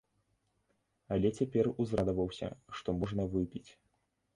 Але цяпер узрадаваўся, што можна выпіць.